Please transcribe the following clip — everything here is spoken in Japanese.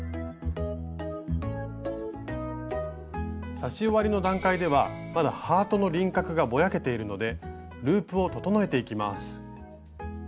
刺し終わりの段階ではまだハートの輪郭がぼやけているのでループを整えていきます。